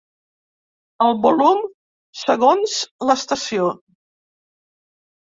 El volum Segons l’estació.